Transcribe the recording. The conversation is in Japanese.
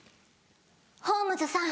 「ホームズさん